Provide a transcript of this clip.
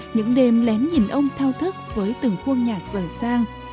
những đêm lén nhìn ông thao thức với từng khuôn nhạc dở sang